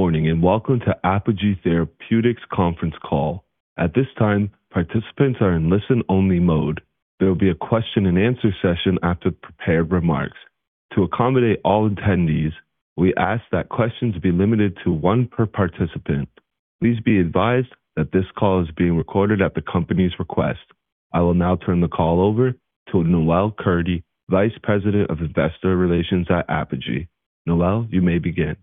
Good morning and welcome to Apogee Therapeutics' Conference Call. At this time, participants are in listen-only mode. There will be a question-and-answer session after prepared remarks. To accommodate all attendees, we ask that questions be limited to one per participant. Please be advised that this call is being recorded at the company's request. I will now turn the call over to Noel Kurdi, VP of Investor Relations at Apogee. Noel, you may begin.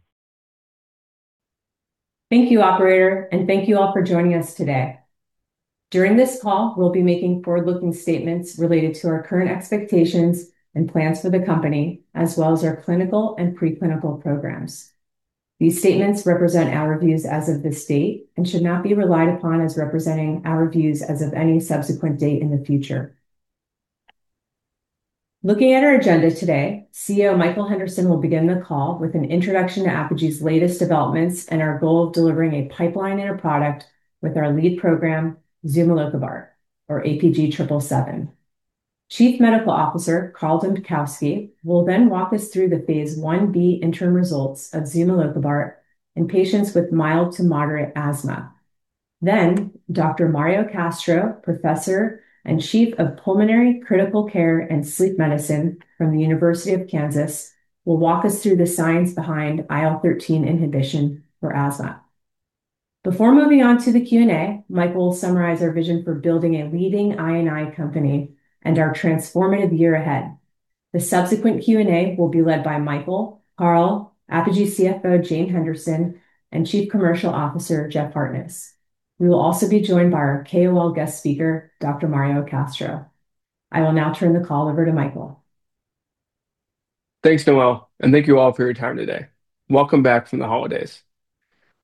Thank you, operator, and thank you all for joining us today. During this call, we'll be making forward-looking statements related to our current expectations and plans for the company, as well as our clinical and preclinical programs. These statements represent our views as of this date and should not be relied upon as representing our views as of any subsequent date in the future. Looking at our agenda today, CEO Michael Henderson will begin the call with an introduction to Apogee's latest developments and our goal of delivering a pipeline-in-a-product with our lead program, zumilokibart, or APG777. Chief Medical Officer Carl Dambkowski will then walk us through the phase I-B interim results of zumilokibart in patients with mild to moderate asthma. Then, Dr. Mario Castro, Professor and Chief of Pulmonary Critical Care and Sleep Medicine from the University of Kansas, will walk us through the science behind IL-13 inhibition for asthma. Before moving on to the Q&A, Michael will summarize our vision for building a leading I&I company and our transformative year ahead. The subsequent Q&A will be led by Michael, Carl, Apogee CFO Jane Henderson, and Chief Commercial Officer Jeff Hartness. We will also be joined by our KOL guest speaker, Dr. Mario Castro. I will now turn the call over to Michael. Thanks, Noel, and thank you all for your time today. Welcome back from the holidays.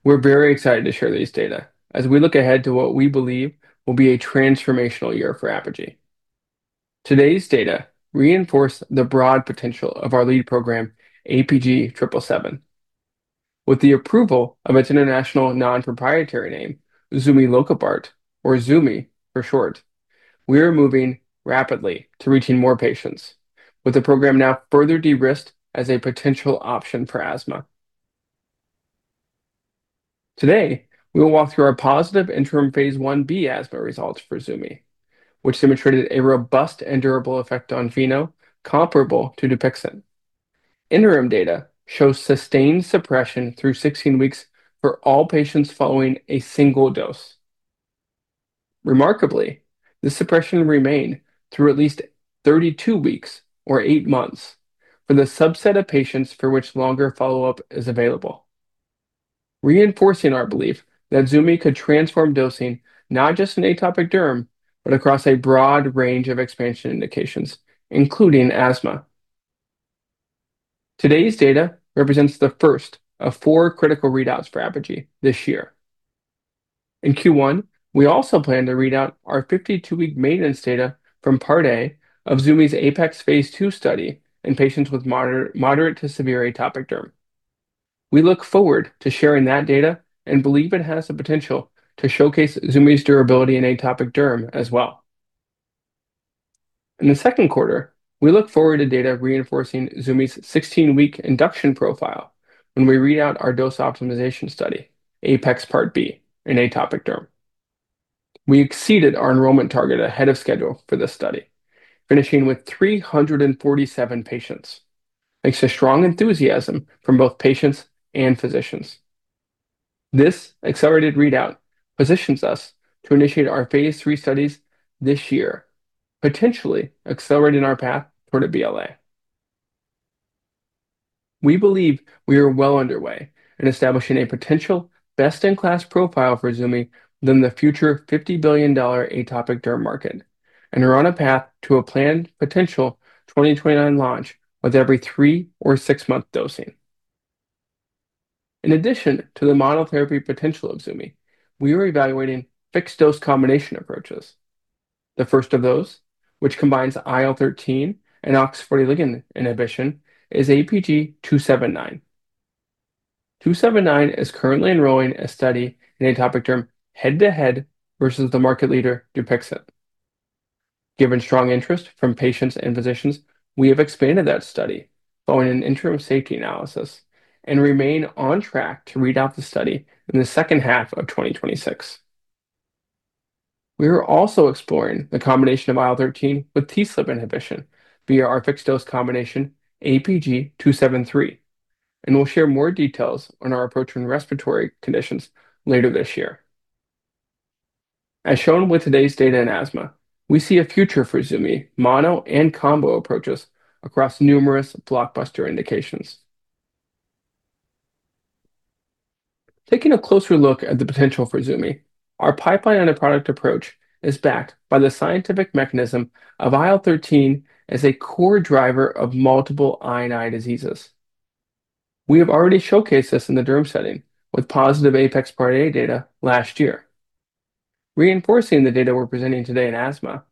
We're very excited to share these data as we look ahead to what we believe will be a transformational year for Apogee. Today's data reinforce the broad potential of our lead program, APG777. With the approval of its international non-proprietary name, zumilokibart, or zumi for short, we are moving rapidly to reaching more patients, with the program now further de-risked as a potential option for asthma. Today, we will walk through our positive interim phase I-B asthma results for zumi, which demonstrated a robust and durable effect on FeNO, comparable to DUPIXENT. Interim data show sustained suppression through 16 weeks for all patients following a single dose. Remarkably, the suppression remained through at least 32 weeks, or eight months, for the subset of patients for which longer follow-up is available, reinforcing our belief that zumi could transform dosing not just in atopic derm, but across a broad range of expansion indications, including asthma. Today's data represents the first of four critical readouts for Apogee this year. In Q1, we also plan to read out our 52-week maintenance data from Part A of zumi's APEX phase II study in patients with moderate to severe atopic derm. We look forward to sharing that data and believe it has the potential to showcase zumi's durability in atopic derm as well. In the second quarter, we look forward to data reinforcing zumi's 16-week induction profile when we read out our dose optimization study, APEX Part B in atopic derm. We exceeded our enrollment target ahead of schedule for this study, finishing with 347 patients, thanks to strong enthusiasm from both patients and physicians. This accelerated readout positions us to initiate our phase III studies this year, potentially accelerating our path toward a BLA. We believe we are well underway in establishing a potential best-in-class profile for zumi within the future $50 billion atopic derm market and are on a path to a planned potential 2029 launch with every three or six-month dosing. In addition to the monotherapy potential of zumi, we are evaluating fixed-dose combination approaches. The first of those, which combines IL-13 and OX40L inhibition, is APG279. 279 is currently enrolling a study in atopic derm head-to-head versus the market leader DUPIXENT. Given strong interest from patients and physicians, we have expanded that study following an interim safety analysis and remain on track to read out the study in the second half of 2026. We are also exploring the combination of IL-13 with TSLP inhibition via our fixed-dose combination APG273, and we'll share more details on our approach in respiratory conditions later this year. As shown with today's data in asthma, we see a future for zumi mono and combo approaches across numerous blockbuster indications. Taking a closer look at the potential for zumi, our pipeline and a product approach is backed by the scientific mechanism of IL-13 as a core driver of multiple I&I diseases. We have already showcased this in the derm setting with positive APEX Part A data last year. Reinforcing the data we're presenting today in asthma,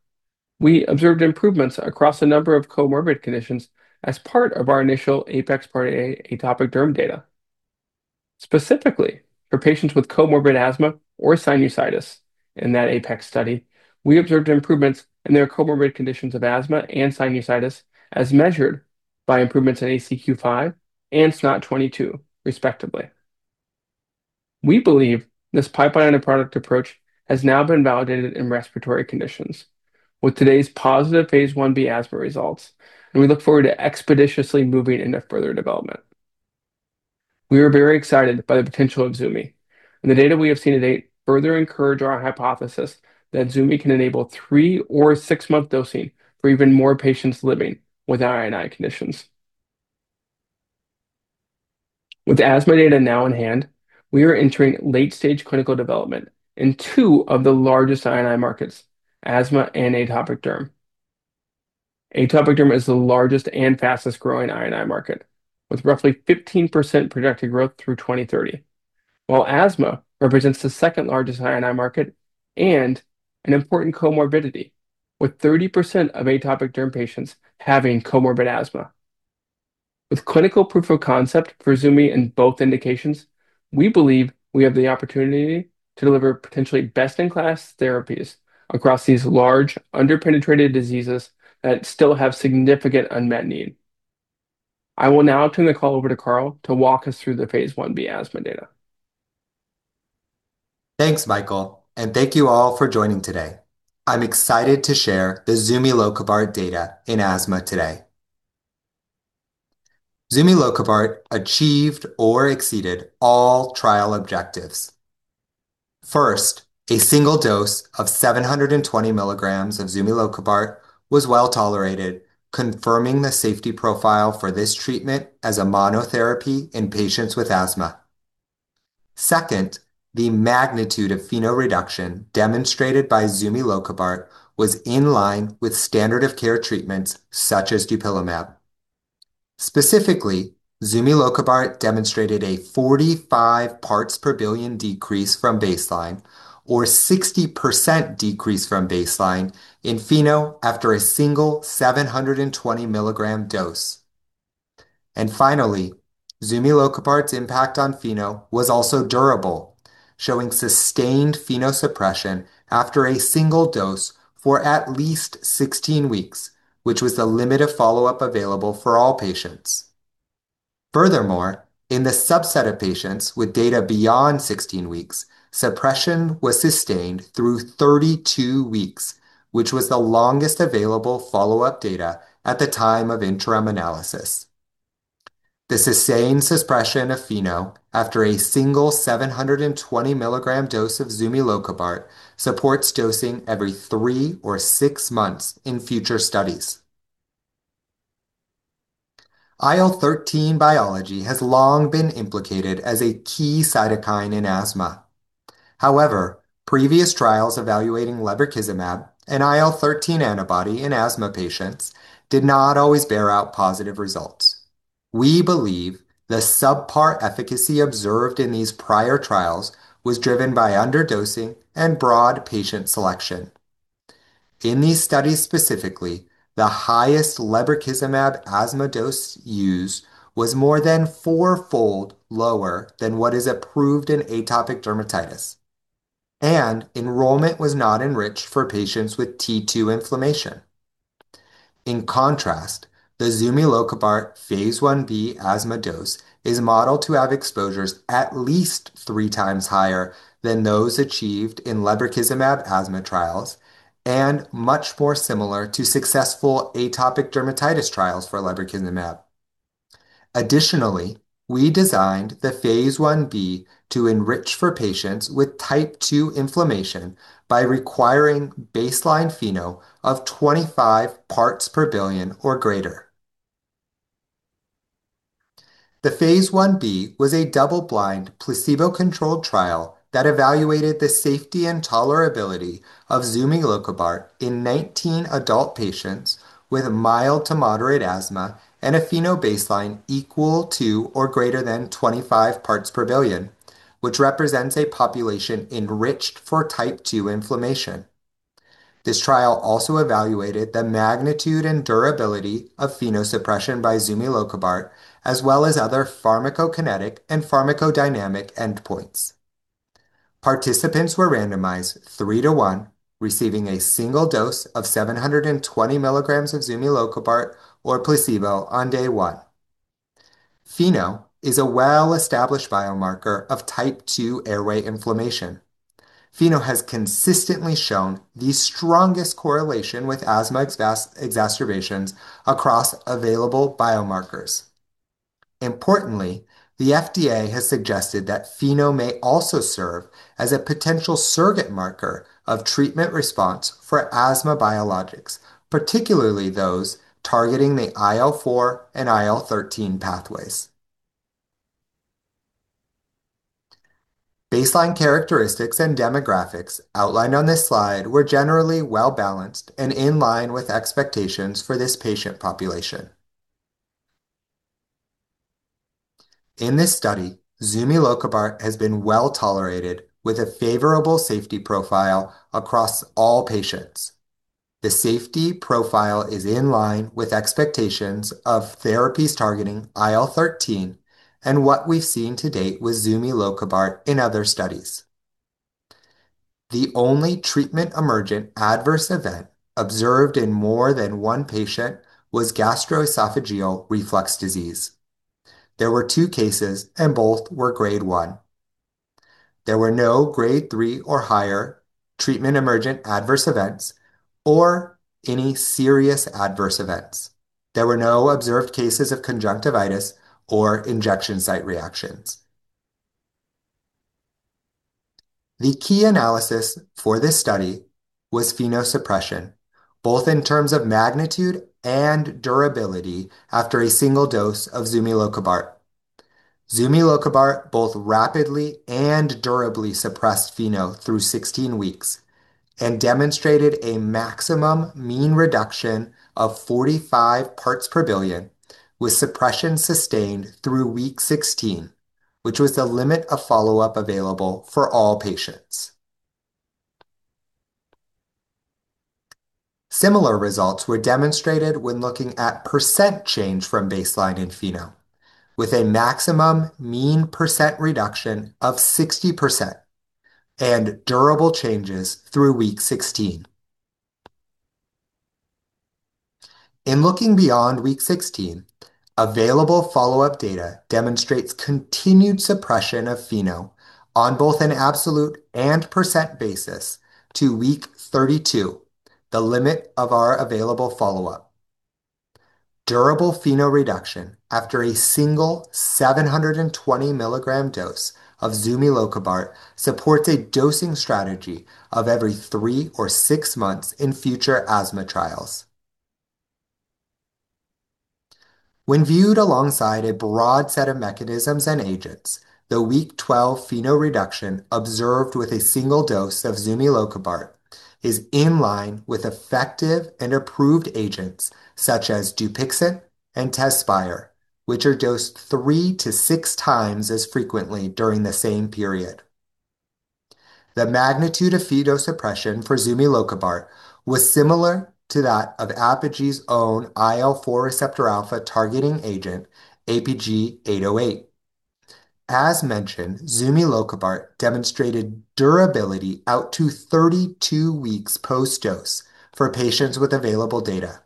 we observed improvements across a number of comorbid conditions as part of our initial APEX Part A atopic derm data. Specifically, for patients with comorbid asthma or sinusitis in that APEX study, we observed improvements in their comorbid conditions of asthma and sinusitis as measured by improvements in ACQ-5 and SNOT-22, respectively. We believe this pipeline and a product approach has now been validated in respiratory conditions with today's positive phase I-B asthma results, and we look forward to expeditiously moving into further development. We are very excited by the potential of zumi, and the data we have seen to date further encourage our hypothesis that zumi can enable three- or six-month dosing for even more patients living with I&I conditions. With asthma data now in hand, we are entering late-stage clinical development in two of the largest I&I markets, asthma and atopic derm. Atopic derm is the largest and fastest-growing I&I market, with roughly 15% projected growth through 2030, while asthma represents the second-largest I&I market and an important comorbidity, with 30% of atopic derm patients having comorbid asthma. With clinical proof of concept for zumi in both indications, we believe we have the opportunity to deliver potentially best-in-class therapies across these large under-penetrated diseases that still have significant unmet need. I will now turn the call over to Carl to walk us through the phase I-B asthma data. Thanks, Michael, and thank you all for joining today. I'm excited to share the zumilokibart data in asthma today. zumilokibart achieved or exceeded all trial objectives. First, a single dose of 720 mg of zumilokibart was well tolerated, confirming the safety profile for this treatment as a monotherapy in patients with asthma. Second, the magnitude of FeNO reduction demonstrated by zumilokibart was in line with standard-of-care treatments such as dupilumab. Specifically, zumilokibart demonstrated a 45 parts per billion decrease from baseline, or 60% decrease from baseline in FeNO after a single 720 mg dose. Finally, zumilokibart's impact on FeNO was also durable, showing sustained FeNO suppression after a single dose for at least 16 weeks, which was the limit of follow-up available for all patients. Furthermore, in the subset of patients with data beyond 16 weeks, suppression was sustained through 32 weeks, which was the longest available follow-up data at the time of interim analysis. The sustained suppression of FeNO after a single 720 mg dose of zumilokibart supports dosing every three or six months in future studies. IL-13 biology has long been implicated as a key cytokine in asthma. However, previous trials evaluating lebrikizumab and IL-13 antibody in asthma patients did not always bear out positive results. We believe the subpar efficacy observed in these prior trials was driven by underdosing and broad patient selection. In these studies specifically, the highest lebrikizumab asthma dose used was more than four-fold lower than what is approved in atopic dermatitis, and enrollment was not enriched for patients with T2 inflammation. In contrast, the zumilokibart phase I-B asthma dose is modeled to have exposures at least three times higher than those achieved in lebrikizumab asthma trials and much more similar to successful atopic dermatitis trials for lebrikizumab. Additionally, we designed the phase I-B to enrich for patients with Type 2 inflammation by requiring baseline FeNO of 25 parts per billion or greater. The phase I-B was a double-blind placebo-controlled trial that evaluated the safety and tolerability of zumilokibart in 19 adult patients with mild to moderate asthma and a FeNO baseline equal to or greater than 25 parts per billion, which represents a population enriched for Type 2 inflammation. This trial also evaluated the magnitude and durability of FeNO suppression by zumilokibart, as well as other pharmacokinetic and pharmacodynamic endpoints. Participants were randomized three to one, receiving a single dose of 720 mg of zumilokibart or placebo on day one. FeNO is a well-established biomarker of Type 2 airway inflammation. FeNO has consistently shown the strongest correlation with asthma exacerbations across available biomarkers. Importantly, the FDA has suggested that FeNO may also serve as a potential surrogate marker of treatment response for asthma biologics, particularly those targeting the IL-4 and IL-13 pathways. Baseline characteristics and demographics outlined on this slide were generally well-balanced and in line with expectations for this patient population. In this study, zumilokibart has been well tolerated with a favorable safety profile across all patients. The safety profile is in line with expectations of therapies targeting IL-13 and what we've seen to date with zumilokibart in other studies. The only treatment-emergent adverse event observed in more than one patient was gastroesophageal reflux disease. There were two cases, and both were grade 1. There were no grade 3 or higher treatment-emergent adverse events or any serious adverse events. There were no observed cases of conjunctivitis or injection site reactions. The key analysis for this study was FeNO suppression, both in terms of magnitude and durability after a single dose of zumilokibart. zumilokibart both rapidly and durably suppressed FeNO through 16 weeks and demonstrated a maximum mean reduction of 45 parts per billion, with suppression sustained through week 16, which was the limit of follow-up available for all patients. Similar results were demonstrated when looking at percent change from baseline in FeNO, with a maximum mean percent reduction of 60% and durable changes through week 16. In looking beyond week 16, available follow-up data demonstrates continued suppression of FeNO on both an absolute and percent basis to week 32, the limit of our available follow-up. Durable FeNO reduction after a single 720 mg dose of zumilokibart supports a dosing strategy of every three or six months in future asthma trials. When viewed alongside a broad set of mechanisms and agents, the week 12 FeNO reduction observed with a single dose of zumilokibart is in line with effective and approved agents such as DUPIXENT and TEZSPIRE, which are dosed three to six times as frequently during the same period. The magnitude of FeNO suppression for zumilokibart was similar to that of Apogee's own IL-4 receptor alpha targeting agent, APG808. As mentioned, zumilokibart demonstrated durability out to 32 weeks post-dose for patients with available data.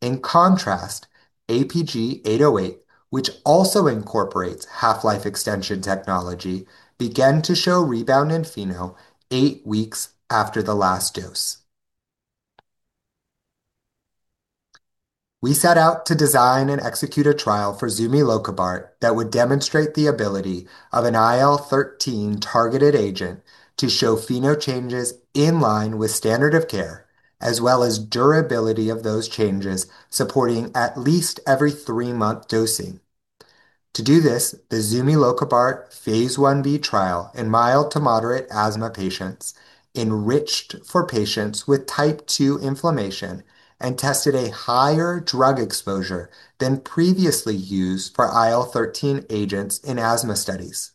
In contrast, APG808, which also incorporates half-life extension technology, began to show rebound in FeNO eight weeks after the last dose. We set out to design and execute a trial for zumilokibart that would demonstrate the ability of an IL-13 targeted agent to show FeNO changes in line with standard-of-care, as well as durability of those changes supporting at least every three-month dosing. To do this, the zumilokibart phase I-B trial in mild to moderate asthma patients enriched for patients with Type 2 inflammation and tested a higher drug exposure than previously used for IL-13 agents in asthma studies.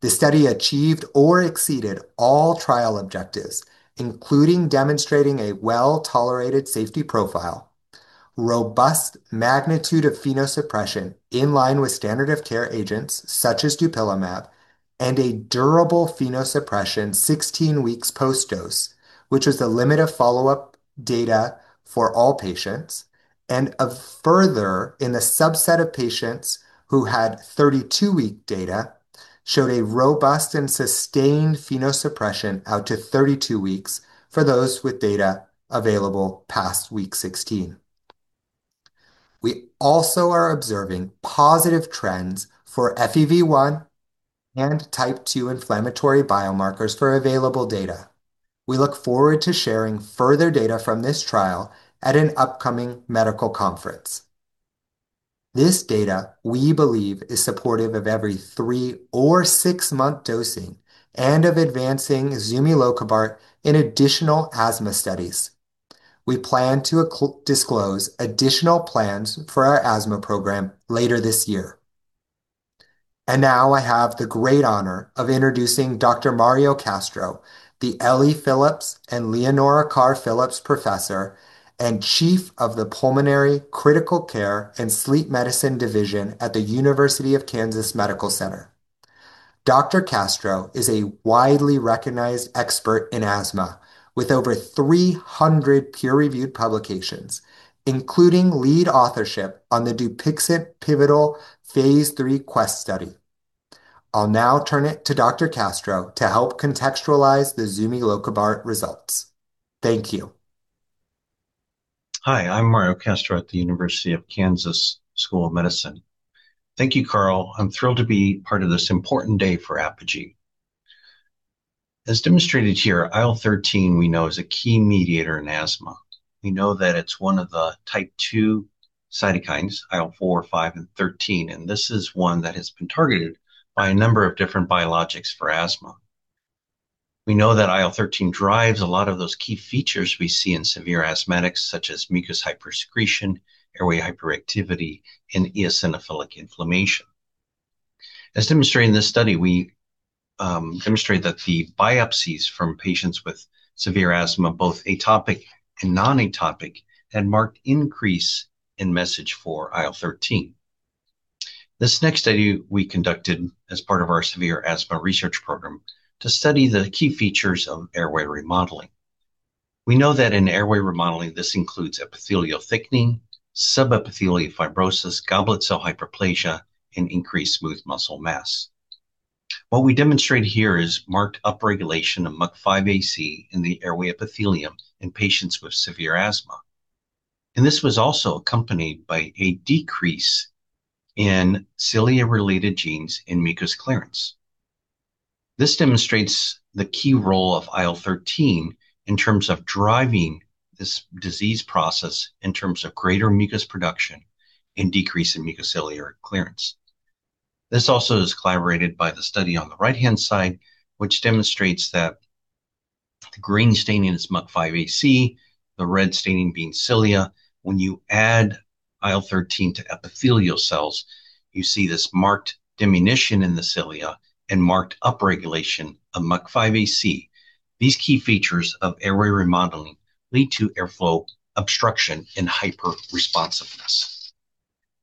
The study achieved or exceeded all trial objectives, including demonstrating a well-tolerated safety profile, robust magnitude of FeNO suppression in line with standard-of-care agents such as dupilumab, and a durable FeNO suppression 16 weeks post-dose, which was the limit of follow-up data for all patients. Further, in the subset of patients who had 32-week data showed a robust and sustained FeNO suppression out to 32 weeks for those with data available past week 16. We also are observing positive trends for FEV1 and Type 2 inflammatory biomarkers for available data. We look forward to sharing further data from this trial at an upcoming medical conference. This data, we believe, is supportive of every three- or six-month dosing and of advancing zumilokibart in additional asthma studies. We plan to disclose additional plans for our asthma program later this year. Now I have the great honor of introducing Dr. Mario Castro, the Ellie Phillips and Leonora Carr Phillips Professor and Chief of the Pulmonary Critical Care and Sleep Medicine Division at the University of Kansas Medical Center. Dr. Castro is a widely recognized expert in asthma with over 300 peer-reviewed publications, including lead authorship on the DUPIXENT pivotal phase III QUEST study. I'll now turn it to Dr. Castro to help contextualize the zumilokibart results. Thank you. Hi, I'm Mario Castro at the University of Kansas Medical Center. Thank you, Carl. I'm thrilled to be part of this important day for Apogee. As demonstrated here, IL-13 we know is a key mediator in asthma. We know that it's one of the Type 2 cytokines, IL-4, 5, and 13, and this is one that has been targeted by a number of different biologics for asthma. We know that IL-13 drives a lot of those key features we see in severe asthmatics, such as mucus hypersecretion, airway hyperactivity, and eosinophilic inflammation. As demonstrated in this study, we demonstrate that the biopsies from patients with severe asthma, both atopic and non-atopic, had marked increase in message for IL-13. This next study we conducted as part of our severe asthma research program to study the key features of airway remodeling. We know that in airway remodeling, this includes epithelial thickening, subepithelial fibrosis, goblet cell hyperplasia, and increased smooth muscle mass. What we demonstrate here is marked upregulation of MUC5AC in the airway epithelium in patients with severe asthma. And this was also accompanied by a decrease in cilia-related genes in mucus clearance. This demonstrates the key role of IL-13 in terms of driving this disease process in terms of greater mucus production and decrease in mucociliary clearance. This also is corroborated by the study on the right-hand side, which demonstrates that the green staining is MUC5AC, the red staining being cilia. When you add IL-13 to epithelial cells, you see this marked diminution in the cilia and marked upregulation of MUC5AC. These key features of airway remodeling lead to airflow obstruction and hyperresponsiveness.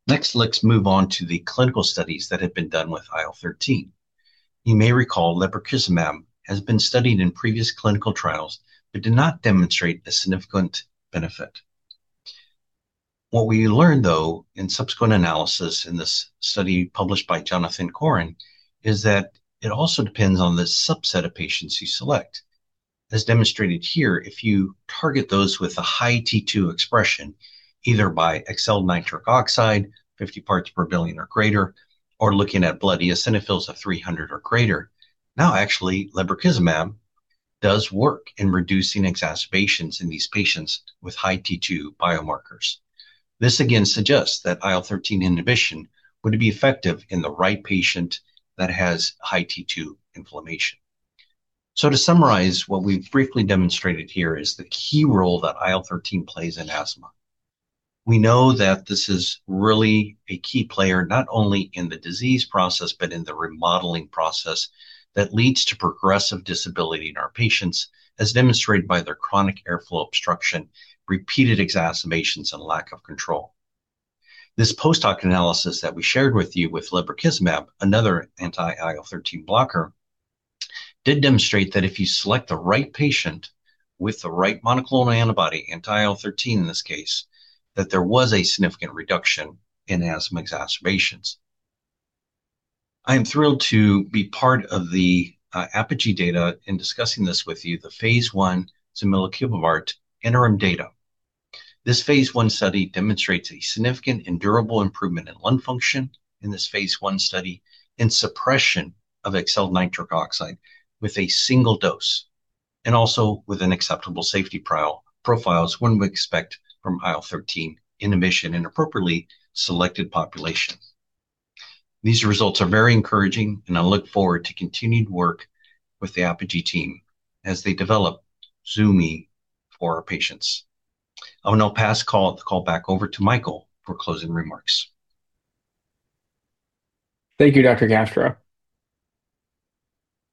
Next, let's move on to the clinical studies that have been done with IL-13. You may recall lebrikizumab has been studied in previous clinical trials, but did not demonstrate a significant benefit. What we learned, though, in subsequent analysis in this study published by Jonathan Corren, is that it also depends on the subset of patients you select. As demonstrated here, if you target those with a high T2 expression, either by FeNO, 50 parts per billion or greater, or looking at blood eosinophils of 300 or greater, now actually lebrikizumab does work in reducing exacerbations in these patients with high T2 biomarkers. This again suggests that IL-13 inhibition would be effective in the right patient that has high T2 inflammation. So to summarize, what we've briefly demonstrated here is the key role that IL-13 plays in asthma. We know that this is really a key player, not only in the disease process, but in the remodeling process that leads to progressive disability in our patients, as demonstrated by their chronic airflow obstruction, repeated exacerbations, and lack of control. This post-hoc analysis that we shared with you with lebrikizumab, another anti-IL-13 blocker, did demonstrate that if you select the right patient with the right monoclonal antibody, anti-IL-13 in this case, that there was a significant reduction in asthma exacerbations. I am thrilled to be part of the Apogee data in discussing this with you, the phase I zumilokibart interim data. This phase I study demonstrates a significant and durable improvement in lung function in this phase I study and suppression of exhaled nitric oxide with a single dose, and also within acceptable safety profiles when we expect from IL-13 inhibition in appropriately selected populations. These results are very encouraging, and I look forward to continued work with the Apogee team as they develop zumi for our patients. I will now pass the call back over to Michael for closing remarks. Thank you, Dr. Castro.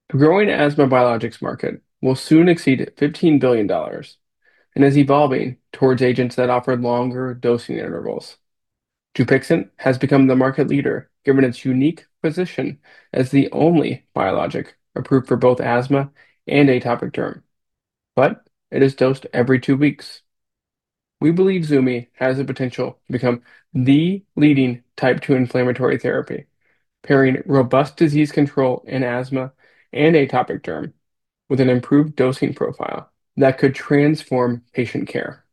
The growing asthma biologics market will soon exceed $15 billion and is evolving towards agents that offer longer dosing intervals. DUPIXENT has become the market leader, given its unique position as the only biologic approved for both asthma and atopic derm, but it is dosed every two weeks. We believe zumi has the potential to become the leading Type 2 inflammatory therapy, pairing robust disease control in asthma and atopic derm with an improved dosing profile that could transform patient care.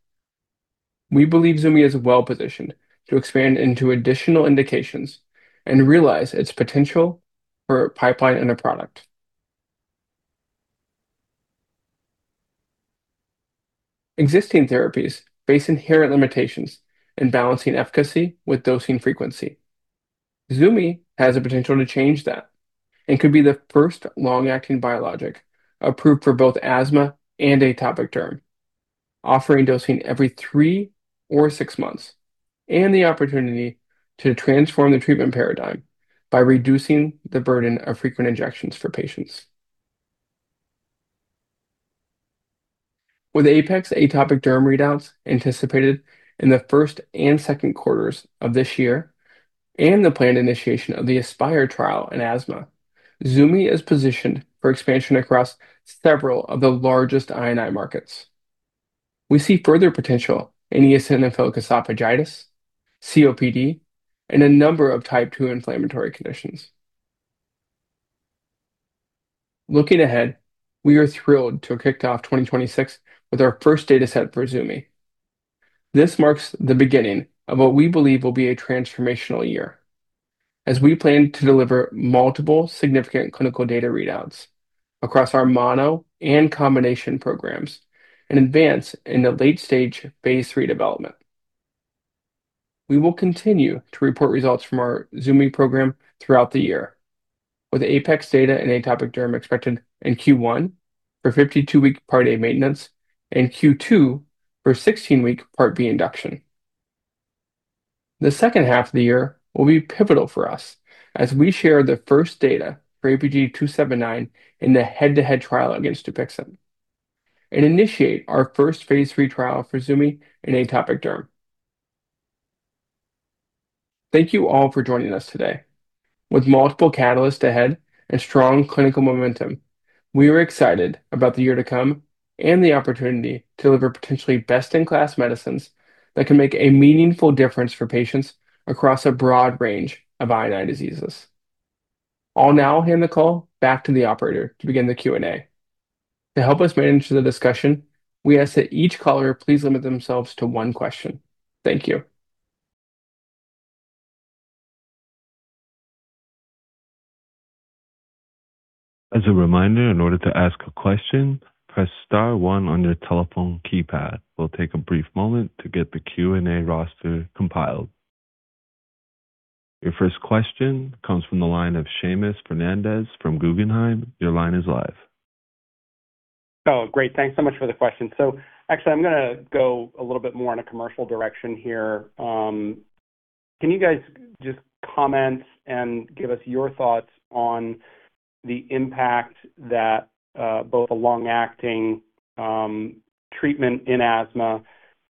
We believe zumi is well-positioned to expand into additional indications and realize its potential for pipeline and a product. Existing therapies face inherent limitations in balancing efficacy with dosing frequency. Zumi has the potential to change that and could be the first long-acting biologic approved for both asthma and atopic derm, offering dosing every three or six months and the opportunity to transform the treatment paradigm by reducing the burden of frequent injections for patients. With APEX atopic derm readouts anticipated in the first and second quarters of this year and the planned initiation of the ASPIRE trial in asthma, zumi is positioned for expansion across several of the largest I&I markets. We see further potential in EOSinophilic esophagitis, COPD, and a number of Type 2 inflammatory conditions. Looking ahead, we are thrilled to have kicked off 2026 with our first data set for zumi. This marks the beginning of what we believe will be a transformational year, as we plan to deliver multiple significant clinical data readouts across our mono and combination programs and advance in the late-stage phase III development. We will continue to report results from our zumi program throughout the year, with APEX data in atopic derm expected in Q1 for 52-week part A maintenance and Q2 for 16-week part B induction. The second half of the year will be pivotal for us as we share the first data for APG279 in the head-to-head trial against DUPIXENT and initiate our first phase III trial for zumi in atopic derm. Thank you all for joining us today. With multiple catalysts ahead and strong clinical momentum, we are excited about the year to come and the opportunity to deliver potentially best-in-class medicines that can make a meaningful difference for patients across a broad range of I&I diseases. I'll now hand the call back to the operator to begin the Q&A. To help us manage the discussion, we ask that each caller please limit themselves to one question. Thank you. As a reminder, in order to ask a question, press star one on your telephone keypad. We'll take a brief moment to get the Q&A roster compiled. Your first question comes from the line of Seamus Fernandez from Guggenheim. Your line is live. Oh, great. Thanks so much for the question. So actually, I'm going to go a little bit more in a commercial direction here. Can you guys just comment and give us your thoughts on the impact that both a long-acting treatment in asthma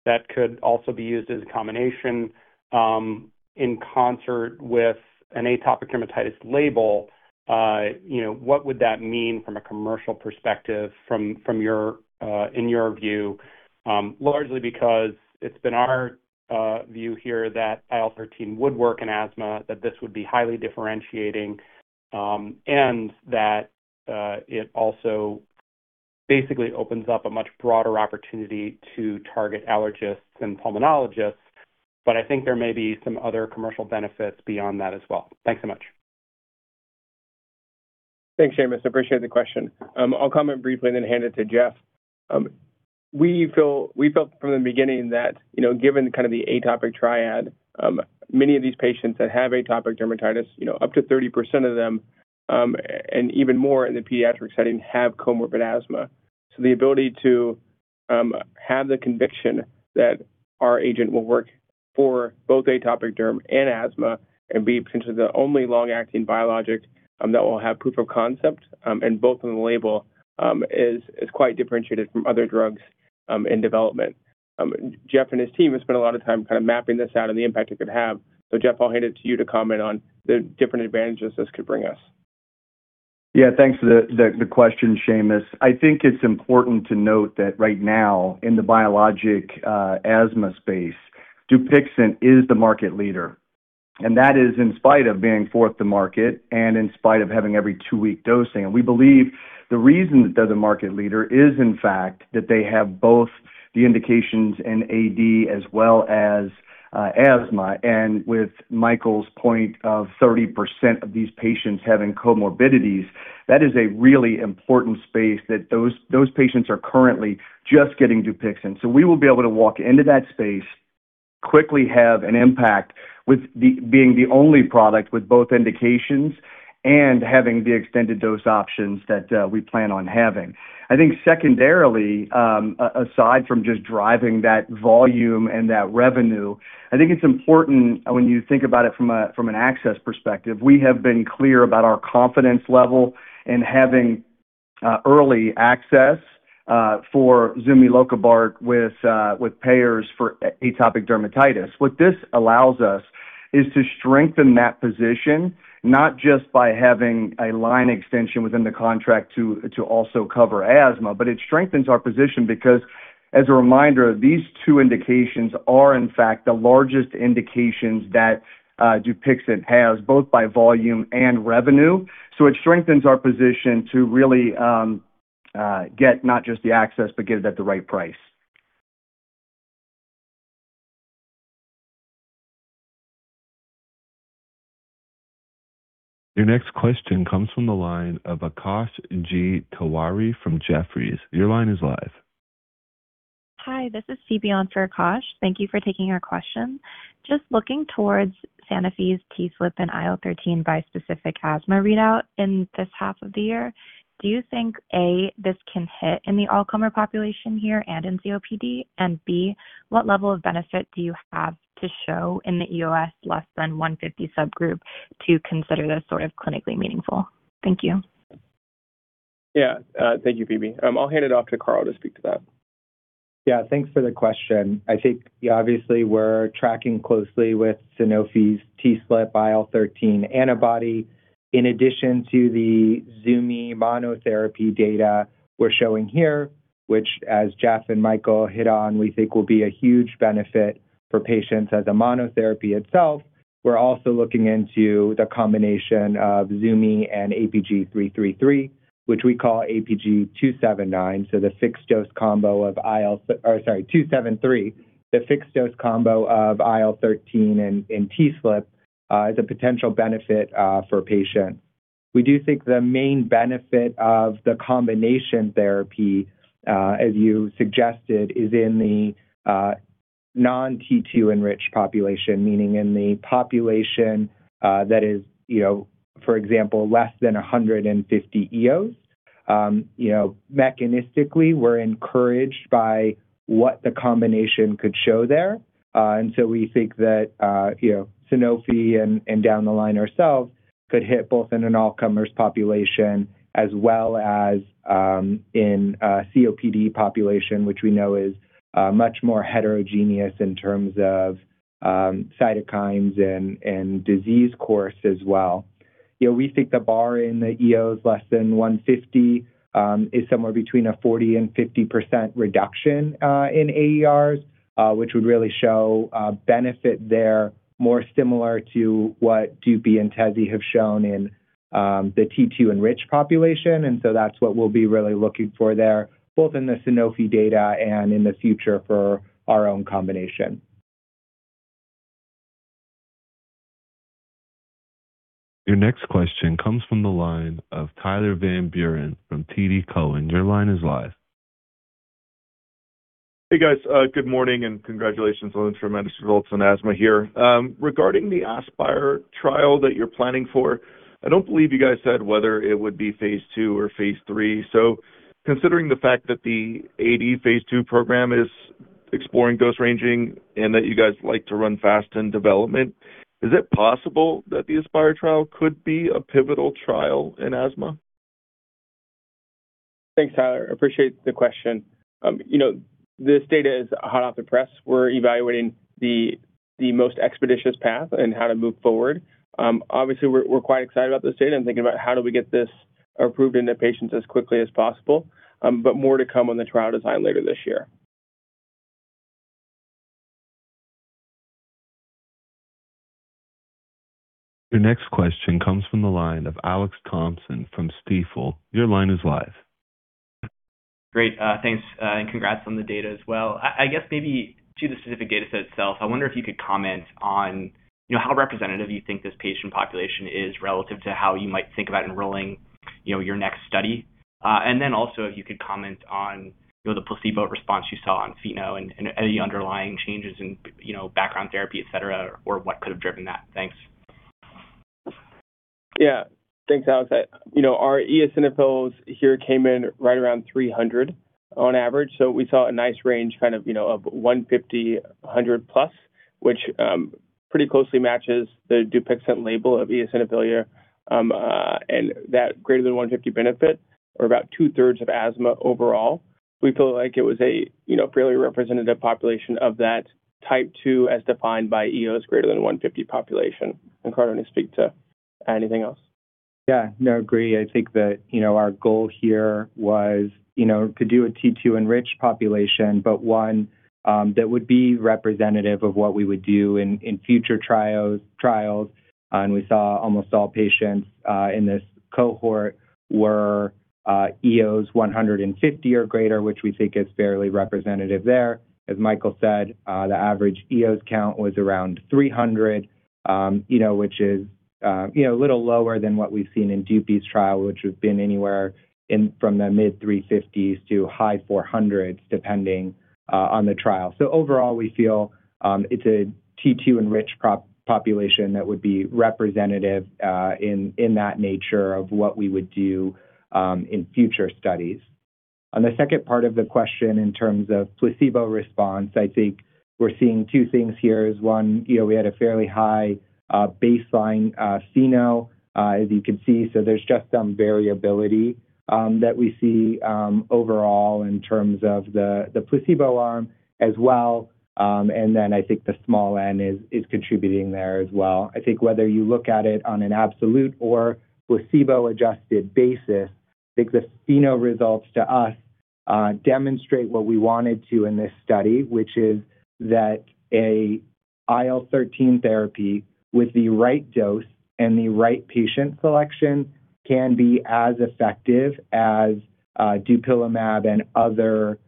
that could also be used as a combination in concert with an atopic dermatitis label, what would that mean from a commercial perspective in your view? Largely because it's been our view here that IL-13 would work in asthma, that this would be highly differentiating, and that it also basically opens up a much broader opportunity to target allergists and pulmonologists. But I think there may be some other commercial benefits beyond that as well. Thanks so much. Thanks, Seamus. I appreciate the question. I'll comment briefly and then hand it to Jeff. We felt from the beginning that given kind of the atopic triad, many of these patients that have atopic dermatitis, up to 30% of them and even more in the pediatric setting have comorbid asthma. So the ability to have the conviction that our agent will work for both atopic derm and asthma and be potentially the only long-acting biologic that will have proof of concept and both on the label is quite differentiated from other drugs in development. Jeff and his team have spent a lot of time kind of mapping this out and the impact it could have. So Jeff, I'll hand it to you to comment on the different advantages this could bring us. Yeah, thanks for the question, Seamus. I think it's important to note that right now in the biologic asthma space, DUPIXENT is the market leader and that is in spite of being fourth to market and in spite of having every two-week dosing. We believe the reason that they're the market leader is, in fact, that they have both the indications in AD as well as asthma and with Michael's point of 30% of these patients having comorbidities, that is a really important space that those patients are currently just getting DUPIXENT. So we will be able to walk into that space, quickly have an impact with being the only product with both indications and having the extended dose options that we plan on having. I think secondarily, aside from just driving that volume and that revenue, I think it's important when you think about it from an access perspective, we have been clear about our confidence level in having early access for zumilokibart with payers for atopic dermatitis. What this allows us is to strengthen that position, not just by having a line extension within the contract to also cover asthma, but it strengthens our position because, as a reminder, these two indications are, in fact, the largest indications that DUPIXENT has, both by volume and revenue. So it strengthens our position to really get not just the access, but get it at the right price. Your next question comes from the line of Akash Tewari from Jefferies. Your line is live. Hi, this is Phoebe for Akash. Thank you for taking our question. Just looking towards Sanofi's TSLP and IL-13 bispecific asthma readout in this half of the year, do you think, A, this can hit in the all-comer population here and in COPD? And B, what level of benefit do you have to show in the EOS less than 150 subgroup to consider this sort of clinically meaningful? Thank you. Yeah, thank you, Phoebe. I'll hand it off to Carl to speak to that. Yeah, thanks for the question. I think, yeah, obviously, we're tracking closely with Sanofi's TSLP IL-13 antibody in addition to the zumi monotherapy data we're showing here, which, as Jeff and Michael hit on, we think will be a huge benefit for patients as a monotherapy itself. We're also looking into the combination of zumi and APG333, which we call APG279, so the fixed dose combo of IL- or sorry, 273, the fixed dose combo of IL-13 and TSLP as a potential benefit for patients. We do think the main benefit of the combination therapy, as you suggested, is in the non-T2-enriched population, meaning in the population that is, for example, less than 150 EOS. Mechanistically, we're encouraged by what the combination could show there. And so we think that Sanofi and down the line ourselves could hit both in an all-comers population as well as in a COPD population, which we know is much more heterogeneous in terms of cytokines and disease course as well. We think the bar in the EOS less than 150 is somewhere between 40% and 50% reduction in AERs, which would really show benefit there more similar to what DUPI and TEZI have shown in the T2-enriched population. And so that's what we'll be really looking for there, both in the Sanofi data and in the future for our own combination. Your next question comes from the line of Tyler Van Buren from TD Cowen. Your line is live. Hey, guys. Good morning and congratulations on the tremendous results in asthma here. Regarding the ASPIRE trial that you're planning for, I don't believe you guys said whether it would be phase II or phase III. So considering the fact that the AD phase II program is exploring dose ranging and that you guys like to run fast in development, is it possible that the ASPIRE trial could be a pivotal trial in asthma? Thanks, Tyler. I appreciate the question. This data is hot off the press. We're evaluating the most expeditious path and how to move forward. Obviously, we're quite excited about this data and thinking about how do we get this approved into patients as quickly as possible, but more to come on the trial design later this year. Your next question comes from the line of Alex Thompson from Stifel. Your line is live. Great. Thanks. And congrats on the data as well. I guess maybe to the specific data set itself, I wonder if you could comment on how representative you think this patient population is relative to how you might think about enrolling your next study. And then also if you could comment on the placebo response you saw on FeNO and any underlying changes in background therapy, etc., or what could have driven that. Thanks. Yeah. Thanks, Alex. Our EOSinophils here came in right around 300 on average. So we saw a nice range kind of 150, 100+, which pretty closely matches the DUPIXENT label of EOSinophilia. And that greater than 150 benefit or about 2/3 of asthma overall, we feel like it was a fairly representative population of that Type 2 as defined by EOS greater than 150 population. And Carl, do you want to speak to anything else? Yeah, no, agree. I think that our goal here was to do a T2-enriched population, but one that would be representative of what we would do in future trials, and we saw almost all patients in this cohort were EOS 150 or greater, which we think is fairly representative there. As Michael said, the average EOS count was around 300, which is a little lower than what we've seen in DUPIXENT's trial, which would have been anywhere from the mid-350s to high 400s, depending on the trial, so overall, we feel it's a T2-enriched population that would be representative in that nature of what we would do in future studies. On the second part of the question in terms of placebo response, I think we're seeing two things here. One, we had a fairly high baseline FeNO, as you can see. So there's just some variability that we see overall in terms of the placebo arm as well. And then I think the small n is contributing there as well. I think whether you look at it on an absolute or placebo-adjusted basis, I think the FeNO results to us demonstrate what we wanted to in this study, which is that an IL-13 therapy with the right dose and the right patient selection can be as effective as Dupilumab and other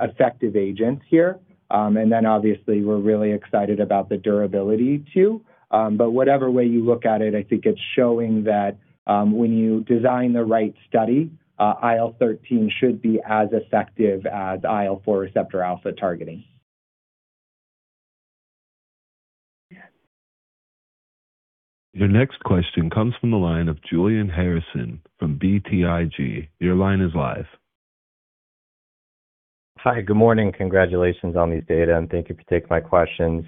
effective agents here. And then obviously, we're really excited about the durability too. But whatever way you look at it, I think it's showing that when you design the right study, IL-13 should be as effective as IL-4 receptor alpha targeting. Your next question comes from the line of Julian Harrison from BTIG. Your line is live. Hi, good morning. Congratulations on these data, and thank you for taking my questions.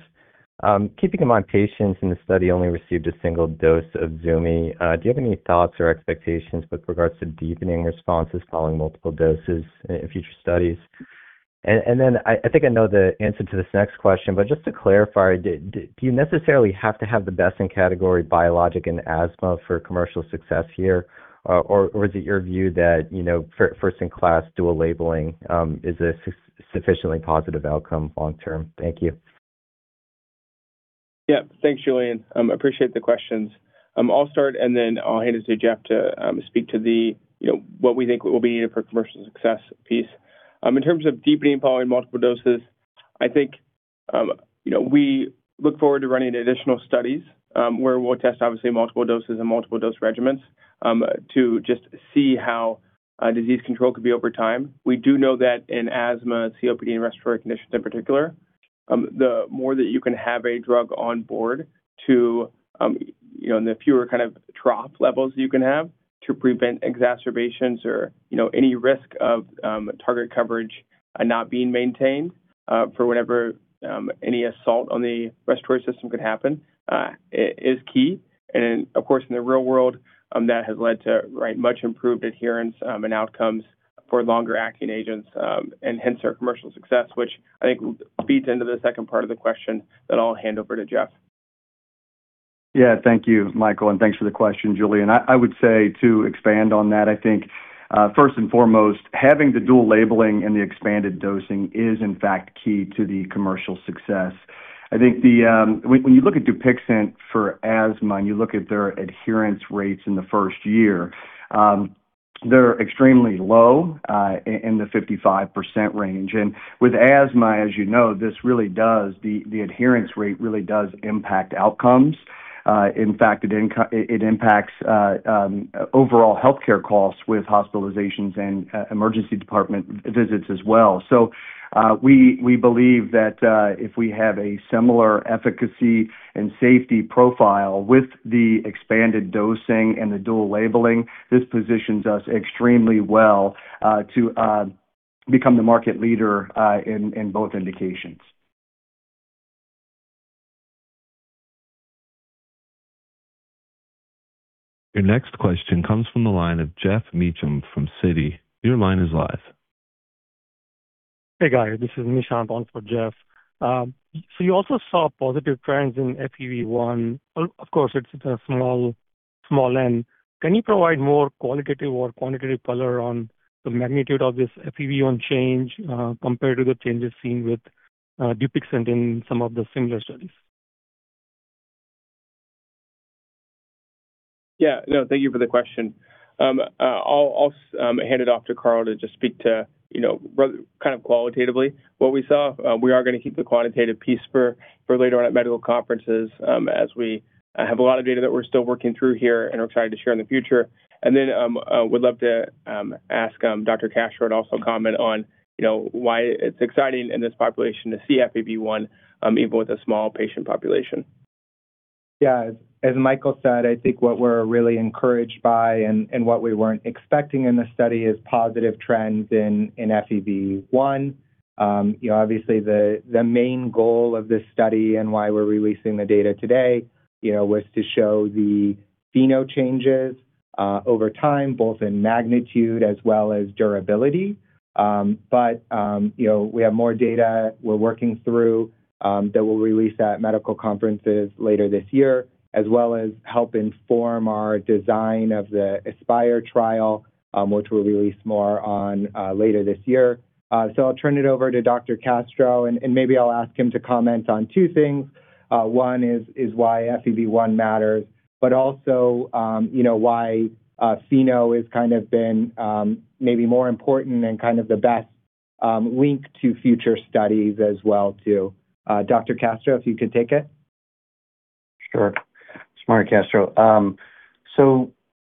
Keeping in mind patients in the study only received a single dose of zumi, do you have any thoughts or expectations with regards to deepening responses following multiple doses in future studies? And then I think I know the answer to this next question, but just to clarify, do you necessarily have to have the best in category biologic in asthma for commercial success here? Or is it your view that first-in-class dual labeling is a sufficiently positive outcome long-term? Thank you. Yeah, thanks, Julian. I appreciate the questions. I'll start, and then I'll hand it to Jeff to speak to what we think will be needed for commercial success piece. In terms of deepening following multiple doses, I think we look forward to running additional studies where we'll test, obviously, multiple doses and multiple dose regimens to just see how disease control could be over time. We do know that in asthma, COPD, and respiratory conditions in particular, the more that you can have a drug on board to the fewer kind of trough levels you can have to prevent exacerbations or any risk of target coverage not being maintained for whenever any assault on the respiratory system could happen is key. And of course, in the real world, that has led to much improved adherence and outcomes for longer-acting agents and hence our commercial success, which I think feeds into the second part of the question that I'll hand over to Jeff. Yeah, thank you, Michael. And thanks for the question, Julian. I would say to expand on that, I think first and foremost, having the dual labeling and the expanded dosing is, in fact, key to the commercial success. I think when you look at DUPIXENT for asthma and you look at their adherence rates in the first year, they're extremely low in the 55% range. And with asthma, as you know, this really does the adherence rate really does impact outcomes. In fact, it impacts overall healthcare costs with hospitalizations and emergency department visits as well. So we believe that if we have a similar efficacy and safety profile with the expanded dosing and the dual labeling, this positions us extremely well to become the market leader in both indications. Your next question comes from the line of Geoff Meacham from Citi. Your line is live. Hey, guys. This is Mitch on for Geoff. So you also saw positive trends in FEV1. Of course, it's a small n. Can you provide more qualitative or quantitative color on the magnitude of this FEV1 change compared to the changes seen with DUPIXENT in some of the similar studies? Yeah, no, thank you for the question. I'll hand it off to Carl to just speak to kind of qualitatively what we saw. We are going to keep the quantitative piece for later on at medical conferences as we have a lot of data that we're still working through here and are excited to share in the future. And then I would love to ask Dr. Castro also comment on why it's exciting in this population to see FEV1 even with a small patient population. Yeah, as Michael said, I think what we're really encouraged by and what we weren't expecting in the study is positive trends in FEV1. Obviously, the main goal of this study and why we're releasing the data today was to show the FeNO changes over time, both in magnitude as well as durability. But we have more data we're working through that we'll release at medical conferences later this year as well as help inform our design of the Aspire trial, which we'll release more on later this year. So I'll turn it over to Dr. Castro, and maybe I'll ask him to comment on two things. One is why FEV1 matters, but also why FeNO has kind of been maybe more important and kind of the best link to future studies as well too. Dr. Castro, if you could take it. Sure, Mario Castro.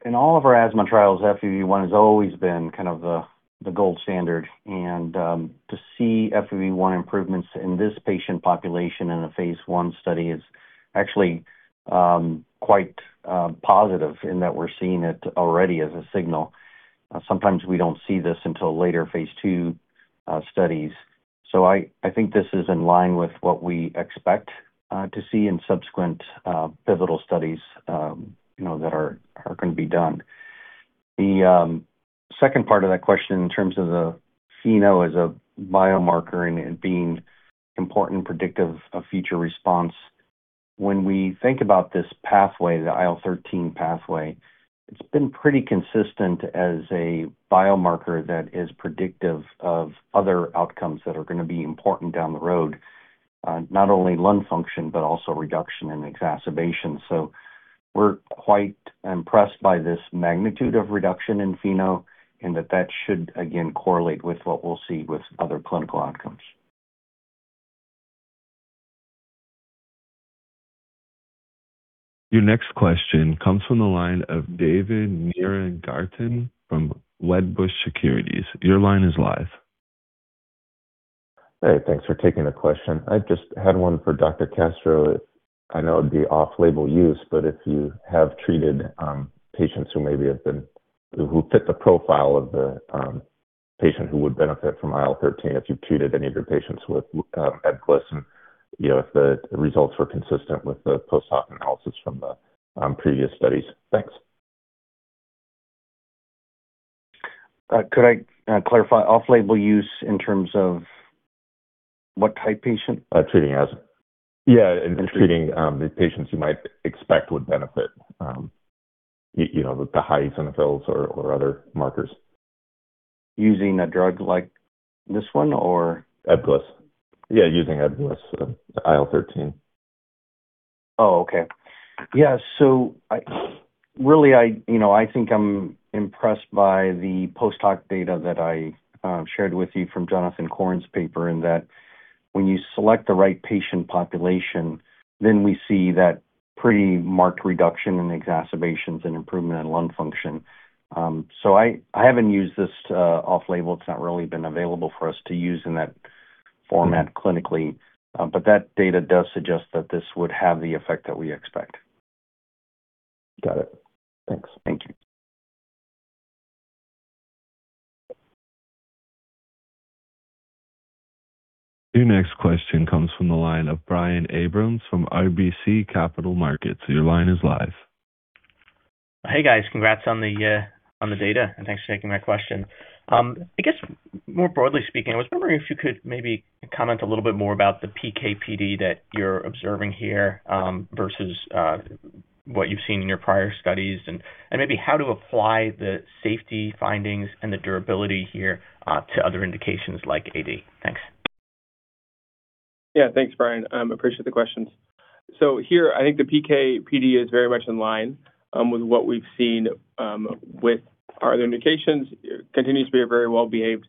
In all of our asthma trials, FEV1 has always been kind of the gold standard, and to see FEV1 improvements in this patient population in a phase I study is actually quite positive in that we're seeing it already as a signal. Sometimes we don't see this until later phase II studies, so I think this is in line with what we expect to see in subsequent pivotal studies that are going to be done. The second part of that question in terms of the FeNO as a biomarker and it being important predictive of future response, when we think about this pathway, the IL-13 pathway, it's been pretty consistent as a biomarker that is predictive of other outcomes that are going to be important down the road, not only lung function, but also reduction and exacerbation. So we're quite impressed by this magnitude of reduction in FeNO and that that should, again, correlate with what we'll see with other clinical outcomes. Your next question comes from the line of David Nierengarten from Wedbush Securities. Your line is live. Hey, thanks for taking the question. I just had one for Dr. Castro. I know it'd be off-label use, but if you have treated patients who maybe have been who fit the profile of the patient who would benefit from IL-13, if you've treated any of your patients with EBGLYSS and if the results were consistent with the post-hoc analysis from the previous studies? Thanks. Could I clarify off-label use in terms of what type patient? Treating asthma. Yeah. And treating the patients you might expect would benefit with the high Eosinophils or other markers. Using a drug like this one or? EBGLYSS. Yeah, using EBGLYSS, IL-13. Oh, okay. Yeah. So really, I think I'm impressed by the post-hoc data that I shared with you from Jonathan Corren's paper in that when you select the right patient population, then we see that pretty marked reduction in exacerbations and improvement in lung function. So I haven't used this off-label. It's not really been available for us to use in that format clinically, but that data does suggest that this would have the effect that we expect. Got it. Thanks. Thank you. Your next question comes from the line of Brian Abrahams from RBC Capital Markets. Your line is live. Hey, guys. Congrats on the data, and thanks for taking my question. I guess more broadly speaking, I was wondering if you could maybe comment a little bit more about the PKPD that you're observing here versus what you've seen in your prior studies and maybe how to apply the safety findings and the durability here to other indications like AD? Thanks. Yeah, thanks, Brian. Appreciate the questions. So here, I think the PKPD is very much in line with what we've seen with our other indications. It continues to be a very well-behaved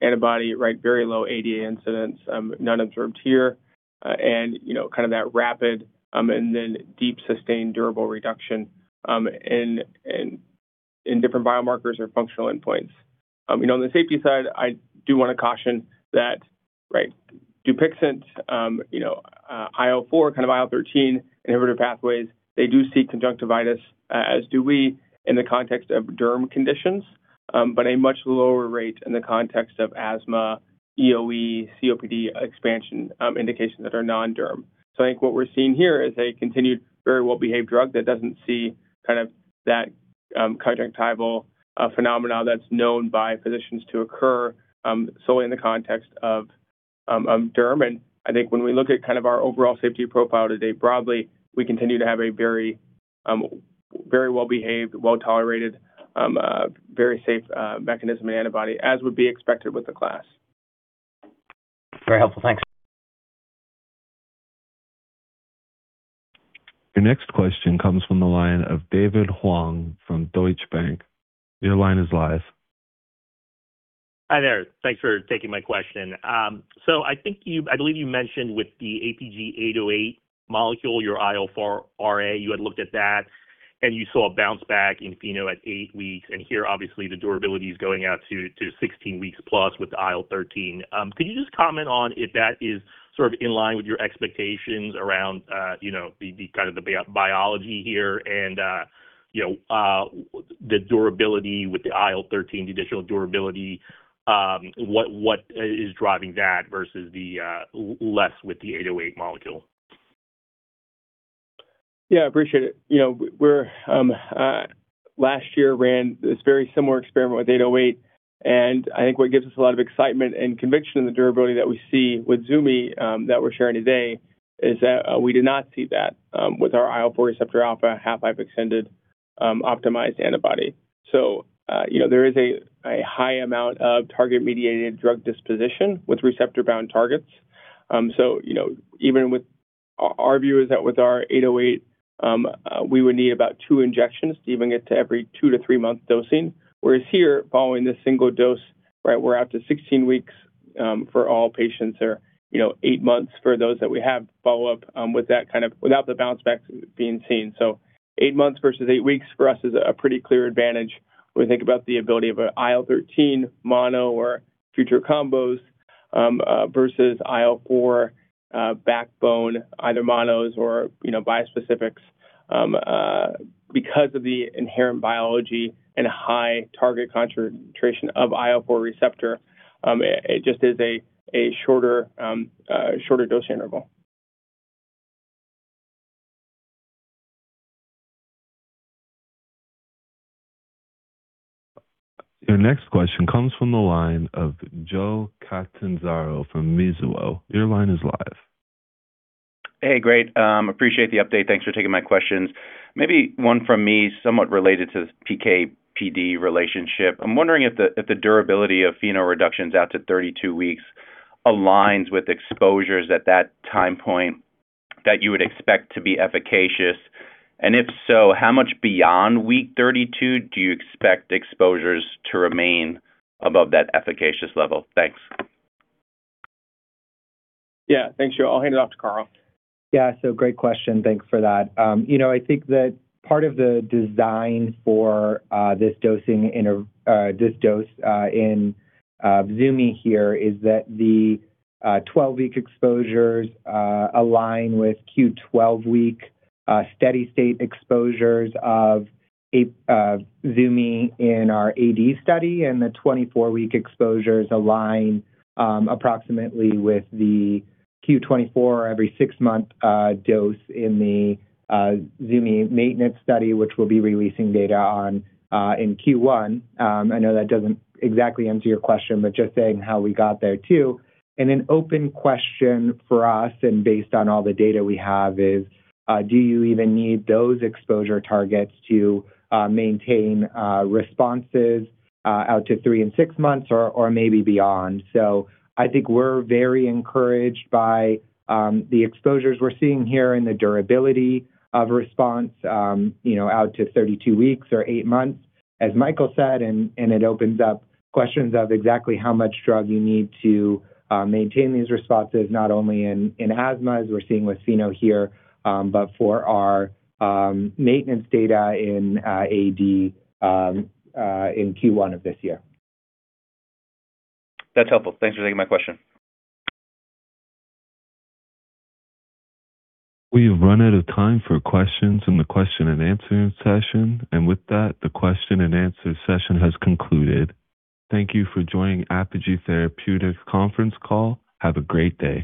antibody, right? Very low ADA incidence, none observed here. And kind of that rapid and then deep sustained durable reduction in different biomarkers or functional endpoints. On the safety side, I do want to caution that, right, DUPIXENT, IL-4, kind of IL-13 inhibitor pathways, they do see conjunctivitis, as do we in the context of derm conditions, but a much lower rate in the context of asthma, EOE, COPD expansion indications that are non-derm. So I think what we're seeing here is a continued very well-behaved drug that doesn't see kind of that conjunctival phenomenon that's known by physicians to occur solely in the context of derm. I think when we look at kind of our overall safety profile today broadly, we continue to have a very well-behaved, well-tolerated, very safe mechanism and antibody, as would be expected with the class. Very helpful. Thanks. Your next question comes from the line of David Huang from Deutsche Bank. Your line is live. Hi there. Thanks for taking my question. So I believe you mentioned with the APG808 molecule, your IL-4Rα, you had looked at that, and you saw a bounce back in FeNO at eight weeks. And here, obviously, the durability is going out to 16 weeks plus with the IL-13. Could you just comment on if that is sort of in line with your expectations around kind of the biology here and the durability with the IL-13, the additional durability? What is driving that versus the less with the 808 molecule? Yeah, I appreciate it. Last year, we ran this very similar experiment with 808. And I think what gives us a lot of excitement and conviction in the durability that we see with zumi that we're sharing today is that we did not see that with our IL-4 receptor alpha half-life extended optimized antibody. So there is a high amount of target-mediated drug disposition with receptor-bound targets. So even with our view is that with our 808, we would need about two injections to even get to every two- to three-month dosing. Whereas here, following this single dose, right, we're out to 16 weeks for all patients or eight months for those that we have follow-up with that kind of without the bounce back being seen. Eight months versus eight weeks for us is a pretty clear advantage when we think about the ability of an IL-13 mono or future combos versus IL-4 backbone, either monos or bispecifics. Because of the inherent biology and high target concentration of IL-4 receptor, it just is a shorter dose interval. Your next question comes from the line of Joe Catanzaro from Mizuho. Your line is live. Hey, great. Appreciate the update. Thanks for taking my questions. Maybe one from me somewhat related to the PKPD relationship. I'm wondering if the durability of FeNO reductions out to 32 weeks aligns with exposures at that time point that you would expect to be efficacious. And if so, how much beyond week 32 do you expect exposures to remain above that efficacious level? Thanks. Yeah, thanks, Joe. I'll hand it off to Carl. Yeah, so great question. Thanks for that. I think that part of the design for this dose in zumi here is that the 12-week exposures align with Q12-week steady-state exposures of zumi in our AD study, and the 24-week exposures align approximately with the Q24 every six-month dose in the zumi maintenance study, which we'll be releasing data on in Q1. I know that doesn't exactly answer your question, but just saying how we got there too, and an open question for us, and based on all the data we have, is do you even need those exposure targets to maintain responses out to three and six months or maybe beyond? So, I think we're very encouraged by the exposures we're seeing here and the durability of response out to 32 weeks or eight months, as Michael said, and it opens up questions of exactly how much drug you need to maintain these responses, not only in asthma as we're seeing with FeNO here, but for our maintenance data in AD in Q1 of this year. That's helpful. Thanks for taking my question. We have run out of time for questions in the question-and-answer session. And with that, the question-and-answer session has concluded. Thank you for joining Apogee Therapeutics' Conference Call. Have a great day.